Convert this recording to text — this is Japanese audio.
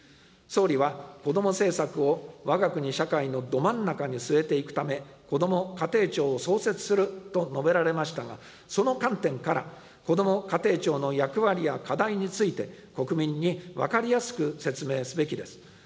総理はこども政策をわが国社会のど真ん中に据えていくため、こども家庭庁を創設すると述べられましたが、その観点からこども家庭庁の役割や課題について、国民に分かりやすく説明すべきです。